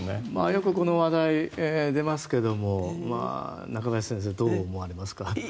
よくこの話題出ますけれどもまあ、中林先生どう思われますか？